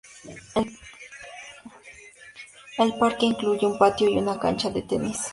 El parque incluye un patio y una cancha de tenis.